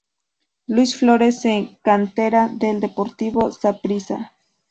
Luis Flores es cantera del Deportivo Saprissa.